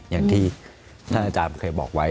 อย่างที่ท่านอาจารย์เคยบอกไว้